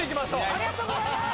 ありがとうございます！